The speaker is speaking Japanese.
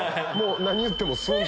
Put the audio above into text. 何言ってもスン！